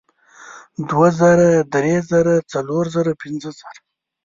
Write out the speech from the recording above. دوه زره درې زره څلور زره پینځه زره